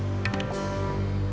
mungkin dari laporan agus